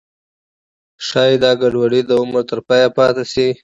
ښایي دا ګډوډي د عمر تر پایه پاتې شي.